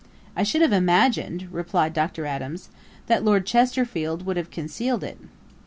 'I should have imagined (replied Dr. Adams) that Lord Chesterfield would have concealed it.'